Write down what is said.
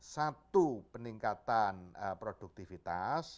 satu peningkatan produktivitas